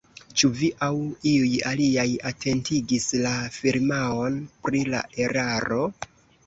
Ĉu vi aŭ iuj aliaj atentigis la firmaon pri la eraro?